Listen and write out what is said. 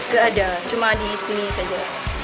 gak ada cuma di sini saja